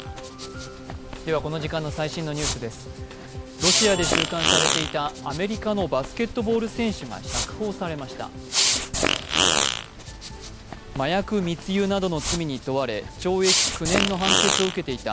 ロシアで収監されていたアメリカのバスケットボール選手が釈放されました。